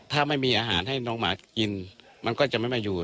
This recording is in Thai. ถ้าไม่มีอาหารให้น้องหมากินมันก็จะไม่มาอยู่